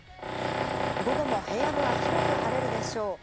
午後も平野部は広く晴れるでしょう。